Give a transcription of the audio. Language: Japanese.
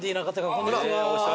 こんにちは。